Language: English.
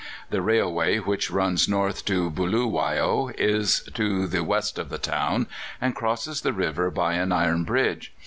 The railway, which runs north to Buluwayo, is to the west of the town, and crosses the river by an iron bridge.